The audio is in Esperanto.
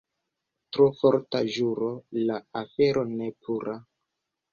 Tro forta ĵuro — la afero ne pura.